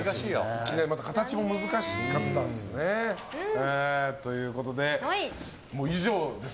形も難しかったですね。ということで以上です。